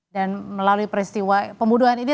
dan melalui peristiwa pembuduhan ini